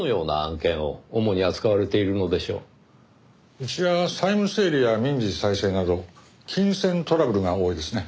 うちは債務整理や民事再生など金銭トラブルが多いですね。